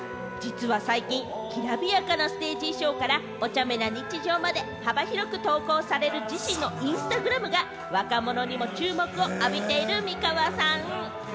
実は最近、きらびやかなステージ衣装から、おちゃめな日常まで幅広く投稿される自身のＩｎｓｔａｇｒａｍが若者にも注目を浴びている美川さん。